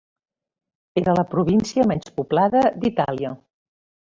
Era la província menys poblada d'Itàlia.